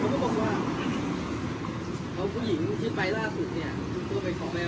เขาก็เลยทำให้น้องบินจับพรื่อเข้าไปใบบ้านก่อนแล้วก็โทษมา